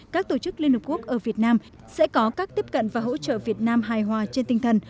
các tổ chức liên hợp quốc ở việt nam sẽ có các tiếp cận và hỗ trợ việt nam hài hòa trên tinh thần